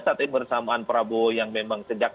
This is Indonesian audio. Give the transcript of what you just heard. saat ini bersamaan prabowo yang memang sejak